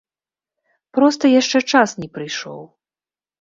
Проста яшчэ час не прыйшоў.